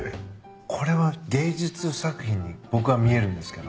これは芸術作品に僕は見えるんですけど。